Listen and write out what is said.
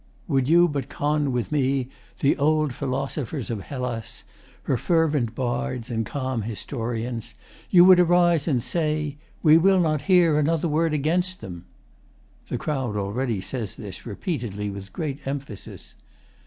] Would you but con With me the old philosophers of Hellas, Her fervent bards and calm historians, You would arise and say 'We will not hear Another word against them!' [The crowd already says this, repeatedly, with great emphasis.